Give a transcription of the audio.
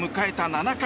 ７回。